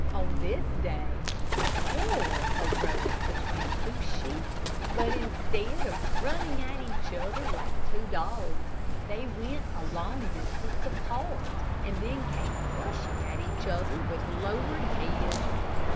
On this day a quarrel arose between two sheep; but instead of running at each other like two dogs they went a long distance apart, and then came rushing at each other with lowered heads.